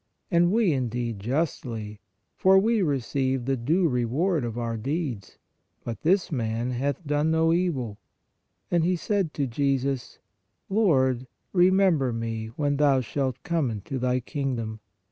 And we indeed justly, for we receive the due reward of our deeds ; but this man hath done no evil. And he said to Jesus: Lord, remember me when Thou shalt come into Thy kingdom.